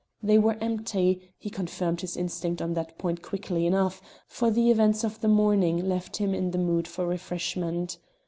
They were empty he confirmed his instinct on that point quickly enough, for the events of the morning left him in the mood for refreshment.